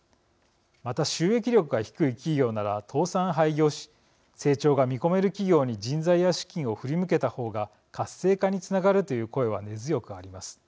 また、収益力が低い企業なら倒産・廃業し成長が見込める企業に人材や資金を振り向けたほうが活性化につながるという声は根強くあります。